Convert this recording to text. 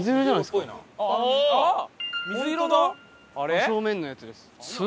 真正面のやつです。